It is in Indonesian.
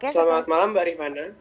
selamat malam mbak rihmana